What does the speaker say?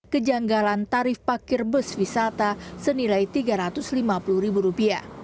kejanggalan tarif parkir bus wisata senilai rp tiga ratus lima puluh